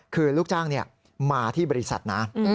คือลูกจ้างมาที่บริษัทนะ